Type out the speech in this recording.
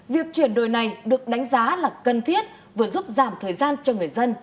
việc chuyển đổi này được đánh giá là cần thiết vừa giúp giảm thời gian cho người dân